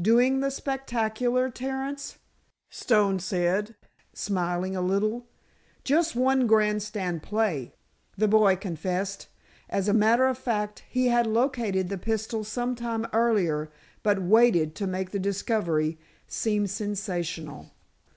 "Doing the spectacular, Terence?" Stone said, smiling a little. "Just one grandstand play," the boy confessed. As a matter of fact, he had located the pistol sometime earlier, but waited to make the discovery seem sensational.